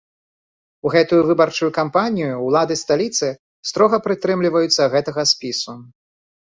У гэтую выбарчую кампанію ўлады сталіцы строга прытрымліваюцца гэтага спісу.